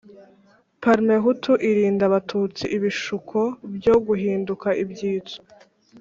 parmehutu irinda abatutsi ibishuko byo guhinduka ibyitso